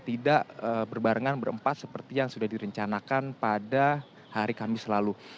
tidak berbarengan berempat seperti yang sudah direncanakan pada hari kamis lalu